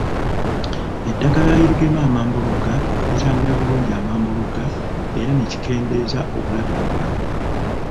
Eddagala erigema amambulugga litangira bulungi amambulugga era ne kikendeeza obulabe mu bantu